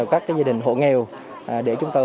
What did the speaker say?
các gia đình hộ nghèo để chúng tôi